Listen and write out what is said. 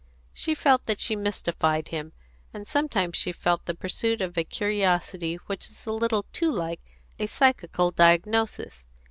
She felt that she mystified him, and sometimes she felt the pursuit of a curiosity which was a little too like a psychical diagnosis.